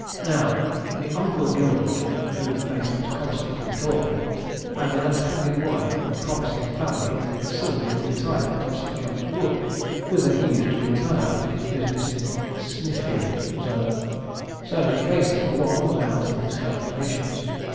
Now, 'me Oncle Gilroy,' of whom Facey was constantly talking, had a left handed wife and promising family in the sylvan retirement of St. John's Wood, whither he used to retire after his business in 'Smi'fiel'' was over; so that Facey, for once, was out in his calculations.